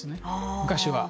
昔は。